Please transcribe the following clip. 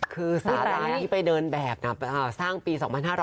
คือสาราที่ไปเดินแบบสร้างปี๒๕๕๙